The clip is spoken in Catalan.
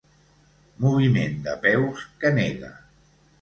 Moviment de peus que nega.